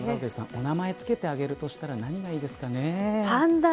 お名前つけてあげるとしたら何がいいですかね。